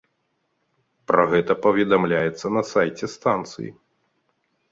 Пра гэта паведамляецца на сайце станцыі.